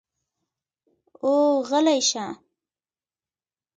او غلے شۀ ـ